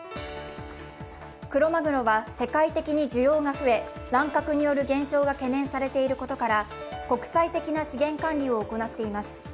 クロマグロは世界的に需要が増え、乱獲による減少が懸念されていることから国際的な資源管理を行っています。